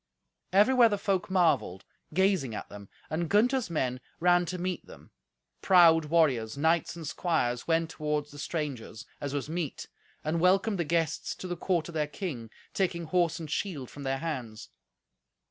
Everywhere the folk marvelled, gazing at them, and Gunther's men ran to meet them; proud warriors, knights and squires, went toward the strangers, as was meet, and welcomed the guests to the court of their king, taking horse and shield from their hands.